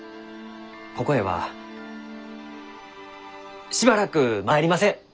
ここへはしばらく参りません！